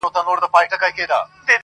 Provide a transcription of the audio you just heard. دا خو گراني ستا د حُسن اور دی لمبې کوي,